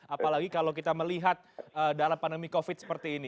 apalagi kalau kita melihat dalam pandemi covid seperti ini